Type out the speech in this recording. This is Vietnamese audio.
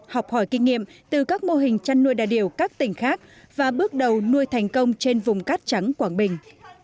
học hỏi kinh nghiệm từ các mô hình chăn nuôi đà điểu các tỉnh khác và bước đầu nuôi thành công trên vùng cát trắng quảng bình